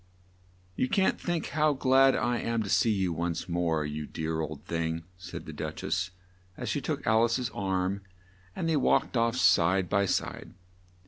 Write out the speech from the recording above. "You can't think how glad I am to see you once more, you dear old thing!" said the Duch ess as she took Al ice's arm, and they walked off side by side.